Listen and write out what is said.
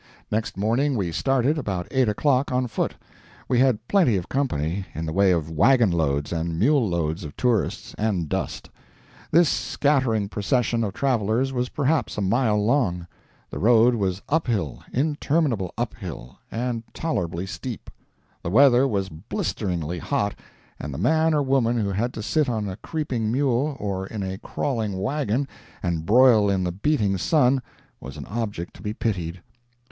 Next morning we started, about eight o'clock, on foot. We had plenty of company, in the way of wagon loads and mule loads of tourists and dust. This scattering procession of travelers was perhaps a mile long. The road was uphill interminable uphill and tolerably steep. The weather was blisteringly hot, and the man or woman who had to sit on a creeping mule, or in a crawling wagon, and broil in the beating sun, was an object to be pitied.